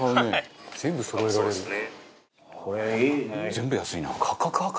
全部安いな！